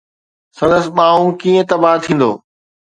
سندس ٻانهو ڪيئن تباهه ٿيندو؟